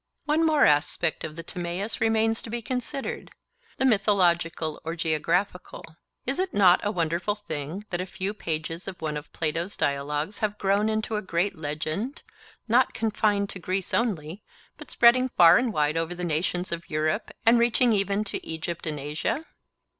One more aspect of the Timaeus remains to be considered—the mythological or geographical. Is it not a wonderful thing that a few pages of one of Plato's dialogues have grown into a great legend, not confined to Greece only, but spreading far and wide over the nations of Europe and reaching even to Egypt and Asia?